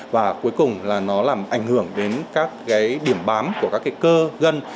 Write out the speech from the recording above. và cuối cùng là nó làm ảnh hưởng đến các cái điểm bám của các cái cơ gân